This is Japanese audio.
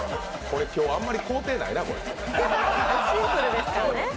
これ、今日あんまり工程ないなこれ。